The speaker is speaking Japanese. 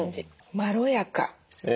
まろやか。